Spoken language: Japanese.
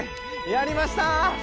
やりました！